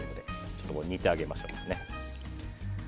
ちょっと煮てあげましょう。